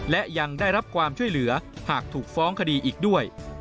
และยังได้รับความช่วยเหลือหากถูกฟ้องคดีอีกด้วย